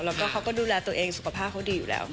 แล้วก็เขาก็ดูแลตัวเองสุขภาพเขาดีอยู่แล้ว